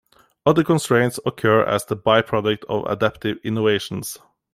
Other constraints occur as the byproduct of adaptive innovations.